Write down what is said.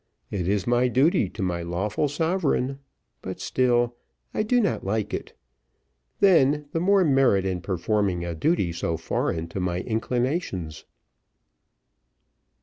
It is my duty to my lawful sovereign, but still I do not like it. Then the more merit in performing a duty so foreign to my inclinations."